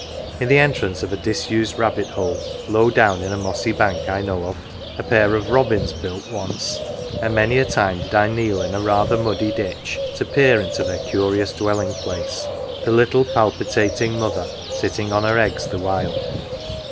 In the entrance of a disused rabbit hole, low down in a mossy bank I know of, a pair of robins built once, and many a time did I kneel in a rather muddy ditch to peer into their curious dwelling place, the little palpitating mother sitting on her eggs the while.